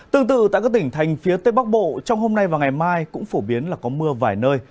tương tự tại các tỉnh thành phía tây bắc bộ trong hôm nay và ngày mai cũng phổ biến là có mưa vài nơi